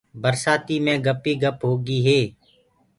برسآتيٚ مي گپ ئيٚ گپ هوگي هي۔